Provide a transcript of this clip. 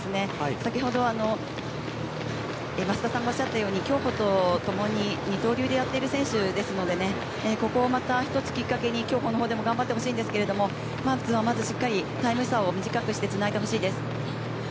先ほど増田さんがおっしゃっているように競歩とともに二刀流でやっている選手ですのでここをひとつきっかけに競歩でも頑張ってほしいんですがまずはしっかりタイム差を短くしてつないでほしいです。